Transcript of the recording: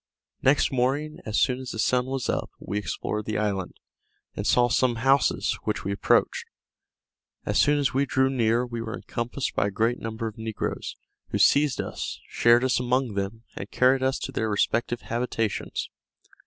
Next morning, as soon as the sun was up, we explored the island, and saw some houses, which we approached. As soon as we drew near, we were encompassed by a great number of negroes, who seized us, shared us among them, and carried us to their respective habitations.